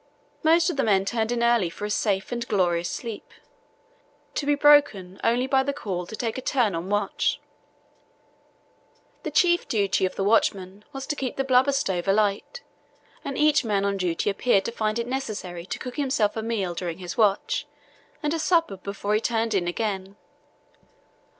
Most of the men turned in early for a safe and glorious sleep, to be broken only by the call to take a turn on watch. The chief duty of the watchman was to keep the blubber stove alight, and each man on duty appeared to find it necessary to cook himself a meal during his watch, and a supper before he turned in again.